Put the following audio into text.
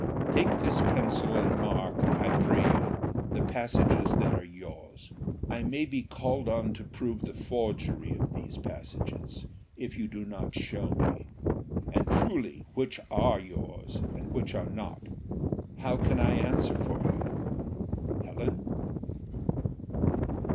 Take this pencil, and mark, I pray you, the passages that are your's. I may be called on to prove the forgery of these passages: if you do not show me, and truly, which are yours, and which are not, how can I answer for you, Helen?"